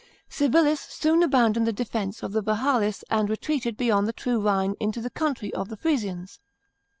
Civilis soon abandoned the defence of the Vahalis and retreated beyond the true Rhine into the country of the Frisians.